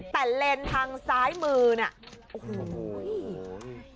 แต่เลนท์ทางซ้ายมือเนี่ย